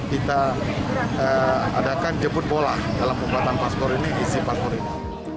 kita adakan jemput bola dalam pembuatan paspor ini isi paspor ini